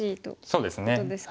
そうですね。